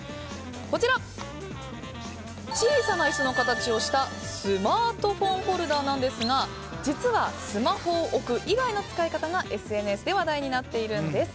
こちら、小さな椅子の形をしたスマートフォンホルダーなんですが実はスマホを置く以外の使い方がＳＮＳで話題になっているんです。